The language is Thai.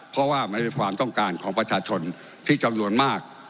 เพราะว่ามันเป็นความต้องการของประชาชนที่จำนวนมาก